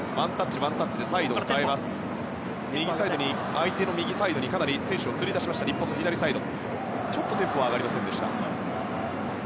相手の右サイドに選手をつり出した日本の左サイド。